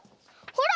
ほら！